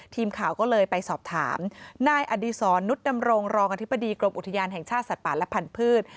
ทีมข่าวก็เลยไปสอบถามนายอดีศรนุษย์ดำรงรองอธิบดีกรมอุทยานแห่งชาติสัตว์ป่าและพันธุ์